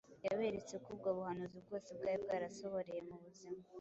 Yaberetse ko ubwo buhanuzi bwose bwari bwarasohoreye mu buzima